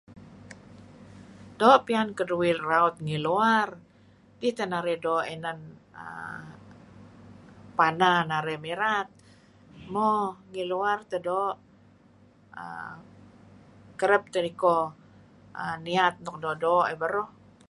Doo' piyah keduih rait ngi luar ih tah narih doo' inan pana narih mirat. Mo ngi luar teh doo'. Kerab teh iko niat nuk doo'-doo' teh beruh.